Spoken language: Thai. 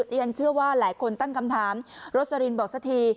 เรียนเชื่อว่าหลายคนตั้งคำถามโรสลินบอกสักที